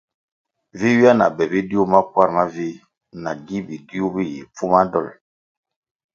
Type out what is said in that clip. Vi ywia na be bidiu makwarʼ mavih nagi bidiu bi yi pfuma dolʼ.